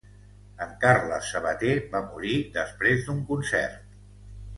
En Carles Sabater va morir després d'un concert.